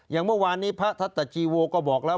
อย่างเมื่อวานนี้พระทัตชีโวก็บอกแล้ว